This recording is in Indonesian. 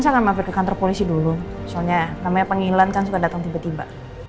saya akan mampir ke kantor polisi dulu soalnya namanya panggilan kan suka datang tiba tiba